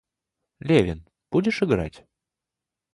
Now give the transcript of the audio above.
Левин, будешь играть?